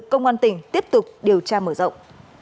công an tỉnh tiếp tục điều tra mở rộng